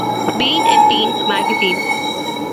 Bean and "Teen" magazine.